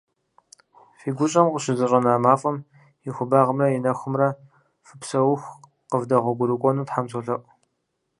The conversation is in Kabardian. Фи гущӏэм къыщызэщӏэна мафӏэм и хуабагъэмрэ и нэхумрэ фыпсэуху къывдэгъуэгурыкӏуэну Тхьэм солъэӏу!